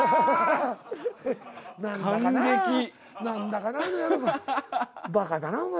何だかな。